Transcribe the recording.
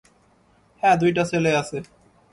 হ্যাঁ, দুইটা ছেলে আছে।